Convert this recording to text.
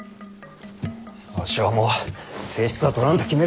わしはもう正室はとらんと決めておる。